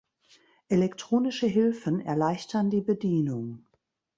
Elektronische Hilfen erleichtern die Bedienung.